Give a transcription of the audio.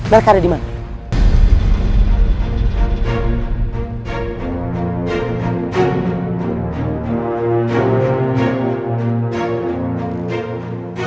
mereka ada di mana